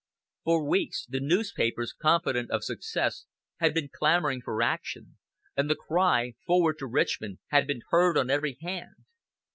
For weeks the newspapers, confident of success, had been clamoring for action, and the cry, "Forward to Richmond," had been heard on every hand.